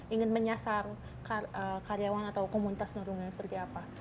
ingin menyasar karyawan atau komunitas nurungan seperti apa